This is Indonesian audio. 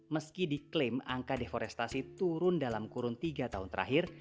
meski diklaim angka deforestasi turun dalam kurun tiga tahun terakhir